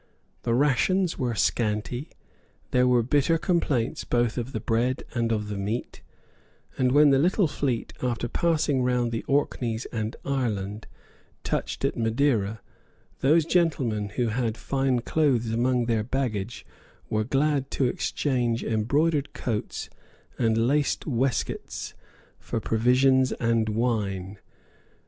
The rations were scanty; there were bitter complaints both of the bread and of the meat; and, when the little fleet, after passing round the Orkneys and Ireland, touched at Madeira, those gentlemen who had fine clothes among their baggage were glad to exchange embroidered coats and laced waistcoats for provisions and wine.